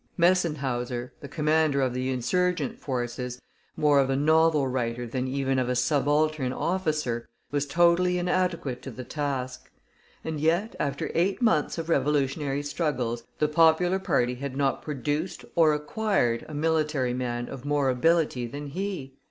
Messenhauser, the commander of the insurgent forces, more of a novel writer than even of a subaltern officer, was totally inadequate to the task; and yet, after eight months of revolutionary struggles, the popular party had not produced or acquired a military man of more ability than he.